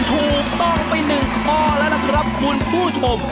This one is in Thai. ถูกต้องไป๑ข้อแล้วนะครับคุณผู้ชม